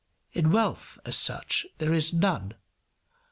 In wealth, as such, there is none.